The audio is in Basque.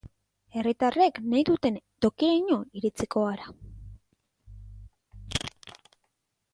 Herritarrek nahi duten tokiraino iritsiko gara.